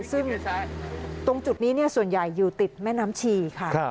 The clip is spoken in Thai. ซึ่งตรงจุดนี้ส่วนใหญ่อยู่ติดแม่น้ำชีค่ะ